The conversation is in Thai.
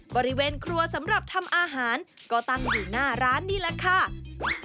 บริเวณครัวสำหรับทำอาหารก็ตั้งอยู่หน้าร้านนี่แหละค่ะ